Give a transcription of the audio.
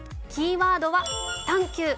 キーワードは、探究。